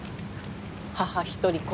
母一人子